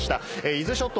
伊豆諸島